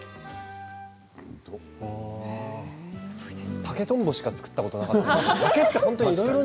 竹とんぼしか作ったことがないから。